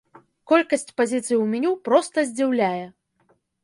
Колькасць пазіцый у меню проста здзіўляе.